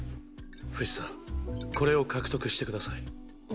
フシさんこれを獲得してください。？